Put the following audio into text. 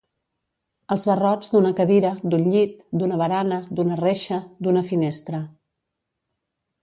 Els barrots d'una cadira, d'un llit, d'una barana, d'una reixa, d'una finestra.